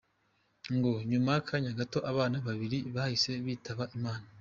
Ngo nyuma y’akanya gato, abana babiri bahise bitaba Imana.